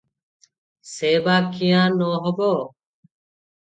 ସେ ବା କିଆଁ ନ ହେବ?